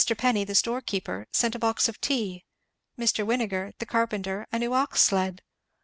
Penny, the storekeeper, sent a box of tea. Mr. Winegar, the carpenter, a new ox sled.